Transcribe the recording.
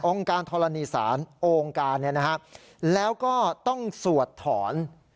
การธรณีศาลองค์การแล้วก็ต้องสวดถอน